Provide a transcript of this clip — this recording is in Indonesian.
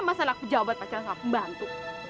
masa anak pejabat pacar sama pembantu